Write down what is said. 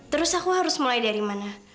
terus aku harus mulai dari mana